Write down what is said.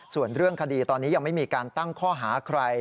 ส่วนเรื่องคดีตอนนี้ยังไม่มีการตั้งข้อหาใคร